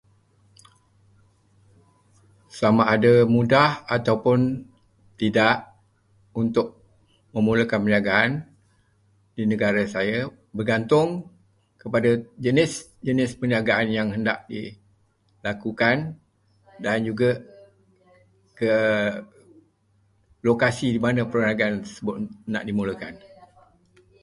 Sama ada mudah ataupun tidak, untuk memulakan perniagaan di negara saya bergantung kepada jenis-jenis perniagaan yang hendak dilakukan dan juga ke- lokasi di mana perniagaan tersebut nak dimulakan.